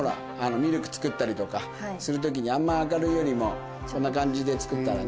ミルク作ったりとかする時にあんま明るいよりもそんな感じで作ったらね。